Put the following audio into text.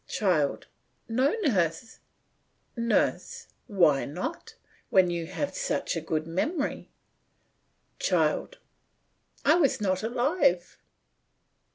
CHILD: No, nurse. NURSE: Why not, when you have such a good memory? CHILD: I was not alive.